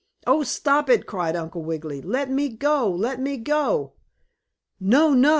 "Oh, stop it!" cried Uncle Wiggily. "Let me go! Let me go!" "No! No!"